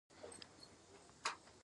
ذهانت: متن څړونکی باید ذهین يي.